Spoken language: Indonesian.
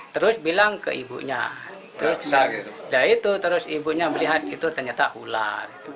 terus bilang ke ibunya terus ibu nya melihat itu ternyata ular